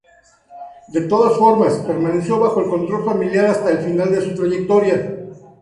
De todas formas, permaneció bajo el control familiar hasta el final de su trayectoria.